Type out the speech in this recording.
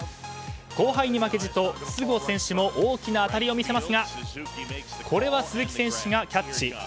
後輩に負けじと筒香選手も大きな当たりを見せますがこれは鈴木選手がキャッチ。